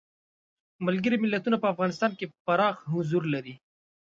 ملګري ملتونه په افغانستان کې پراخ حضور لري.